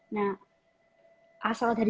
nah asal dari